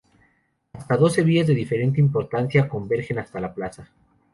Hasta doce vías, de diferente importancia, convergen hasta la plaza.